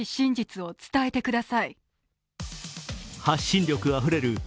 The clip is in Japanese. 発信力あふれる